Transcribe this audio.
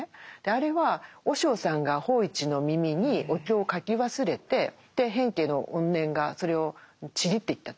あれは和尚さんが芳一の耳にお経を書き忘れて平家の怨念がそれをちぎっていったと。